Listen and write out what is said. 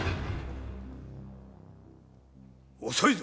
遅いぞ！